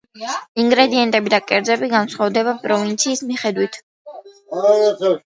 ინგრედიენტები და კერძები განსხვავდება პროვინციის მიხედვით.